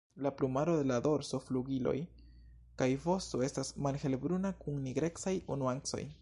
La plumaro de la dorso, flugiloj kaj vosto estas malhelbruna kun nigrecaj nuancoj.